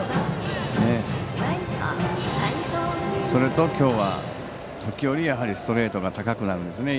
それと今日は時折、ストレートが高くなるんですね。